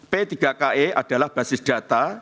p tiga ke adalah basis data